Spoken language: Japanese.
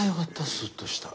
スっとした。